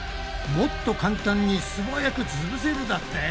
もっと簡単に素早くつぶせるだって？